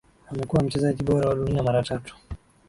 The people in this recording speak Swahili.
Amekuwa mchezaji bora wa dunia mara tatu